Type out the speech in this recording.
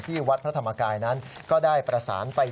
วัดพระธรรมกายนั้นก็ได้ประสานไป